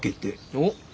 おっ。